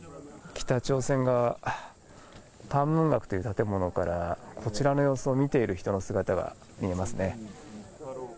北朝鮮側、パンムンガクという建物からこちらの様子を見ている人の姿が見え